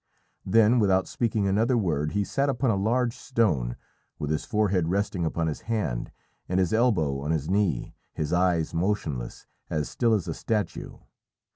Then, without speaking another word, he sat upon a large stone, with his forehead resting upon his hand and his elbow on his knee, his eyes motionless, as still as a statue.